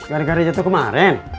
gara gara jatuh kemarin